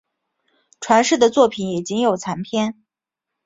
传世的作品也仅有残篇。